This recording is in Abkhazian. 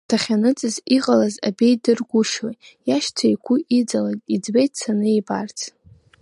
Дахьаныҵыз иҟалаз абеидыргушьоу, иашьцәа игәы иҵалеит, иӡбеит дцаны ибарц.